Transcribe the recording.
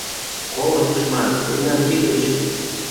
«Коло, тушман, мемнан кид гыч